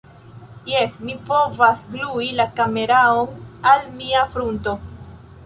Jes, mi povas glui la kameraon al mia frunto